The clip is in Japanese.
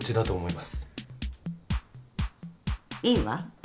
いいわ。